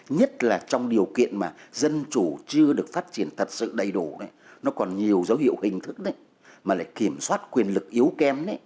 nhất là trong điều kiện mà dân chủ chưa được phát triển thật sự đầy đủ nó còn nhiều dấu hiệu hình thức đấy mà lại kiểm soát quyền lực yếu kém